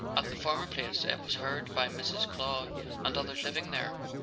At the former place it was heard by Mrs. Clow and others living there.